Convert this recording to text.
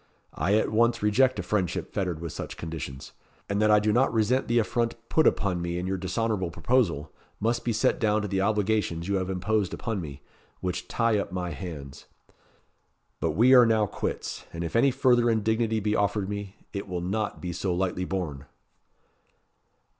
"I at once reject a friendship fettered with such conditions. And that I do not resent the affront put upon me in your dishonourable proposal, must be set down to the obligations you have imposed upon me, and which tie up my hands. But we are now quits; and if any further indignity be offered me, it will not be so lightly borne."